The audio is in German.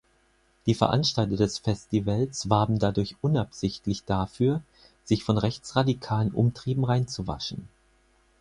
Die Veranstalter des Festivals warben dadurch unabsichtlich dafür, sich von rechtsradikalen Umtrieben reinzuwaschen.